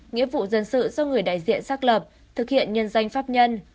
nghĩa vụ dân sự do người đại diện xác lập thực hiện nhân danh pháp nhân